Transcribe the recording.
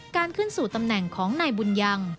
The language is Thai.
ขึ้นสู่ตำแหน่งของนายบุญยัง